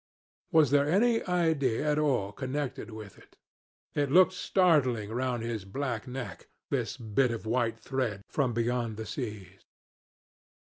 Was there any idea at all connected with it? It looked startling round his black neck, this bit of white thread from beyond the seas.